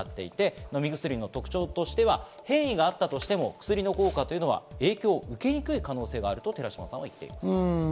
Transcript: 飲み薬の特徴としては変異があったとしても薬の効果は影響を受けにくい可能性があると言っています。